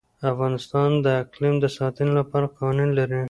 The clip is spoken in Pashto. افغانستان د اقلیم د ساتنې لپاره قوانین لري.